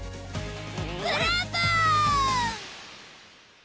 ブラボー！